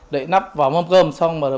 đậy nắp vào mâm cơm xong